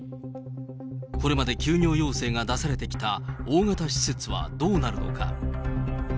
これまで休業要請が出されてきた大型施設はどうなるのか。